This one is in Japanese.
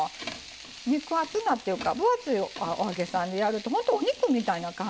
肉厚なっていうか分厚いお揚げさんでやると本当お肉みたいな感じ？